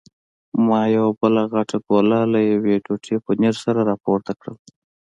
ما یوه بله غټه ګوله له یوې ټوټې پنیر سره راپورته کړل.